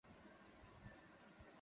আমাকে যেতে হবে।